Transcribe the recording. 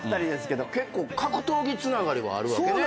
結構格闘技つながりもあるわけね